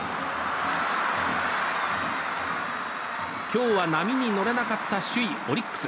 今日は波に乗れなかった首位オリックス。